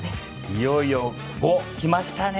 いよいよ５、来ましたね。